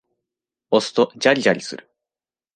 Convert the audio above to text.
押すとジャリジャリする。